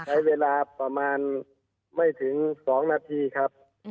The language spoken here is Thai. ใช้เวลาประมาณไม่ถึง๒นาทีครับ